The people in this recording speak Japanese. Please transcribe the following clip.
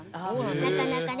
なかなかね。